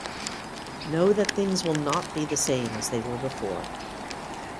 Know that things will not be the same as they were before.